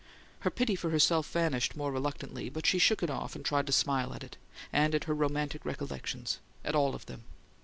Her pity for herself vanished more reluctantly; but she shook it off and tried to smile at it, and at her romantic recollections at all of them.